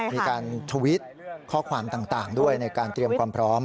มีการทวิตข้อความต่างด้วยในการเตรียมความพร้อม